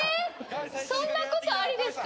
そんなことありですか？